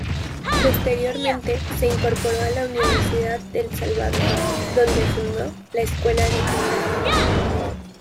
Posteriormente se incorporó a la Universidad del Salvador, donde fundó la Escuela de Geografía.